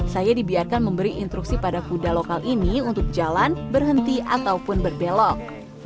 saya dibiarkan memberi instruksi pada kuda lokal ini untuk jalan berhenti ataupun berbelok